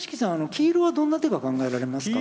黄色はどんな手が考えられますか？